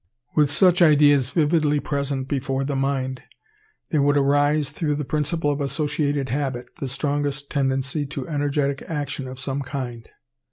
With such ideas vividly present before the mind, there would arise, through the principle of associated habit, the strongest tendency to energetic action of some kind.